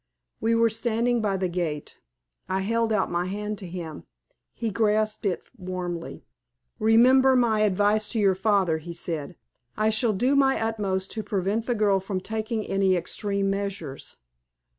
We were standing by the gate, I held out my hand to him; he grasped it warmly. "Remember my advice to your father," he said. "I shall do my utmost to prevent the girl from taking any extreme measures.